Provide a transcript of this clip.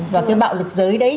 và cái bạo lực giới đấy